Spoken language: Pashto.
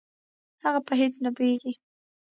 هغه په هېڅ نه پوهېږي.